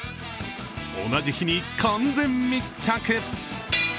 同じ日に完全密着。